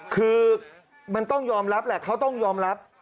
คือมันต้องยอมรับแหละเขาต้องยอมรับ